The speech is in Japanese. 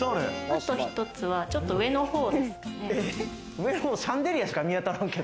あと一つはちょっと上のほうですかね。